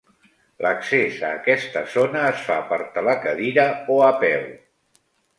L'accés a aquesta zona es fa per telecadira o a peu.